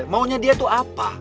maunya dia tuh apa